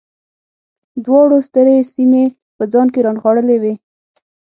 دواړو سترې سیمې په ځان کې رانغاړلې وې